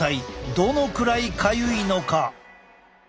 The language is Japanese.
どのくらいかゆいのか。